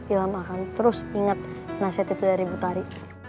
ilham akan terus inget nasihat itu dari ibu tari